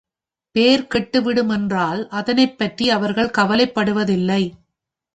பேர் கெட்டுவிடும் என்றால் அதனைப்பற்றி அவர்கள் கவலைப்படுவதில்லை.